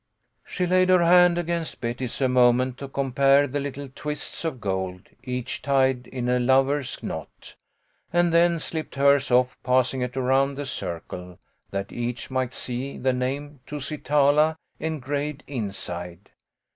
She laid her hand against Betty's a moment, to compare the little twists of gold, each tied in a lover's knot, and then slipped hers off, passing it around the circle, that each might see the name "Tusitala" engraved inside.